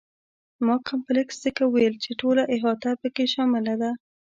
ما کمپلکس ځکه وویل چې ټوله احاطه په کې شامله ده.